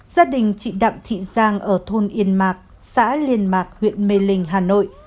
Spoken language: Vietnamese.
gia đình chị đặng thị giang ở thôn yên mạc xã liên mạc huyện mê linh hà nội